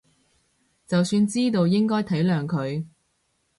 就算知道應該體諒佢